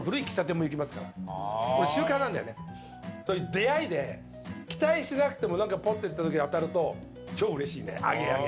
出会いで、期待してなくてもぽっと行った時に当たると超うれしいね、アゲアゲ。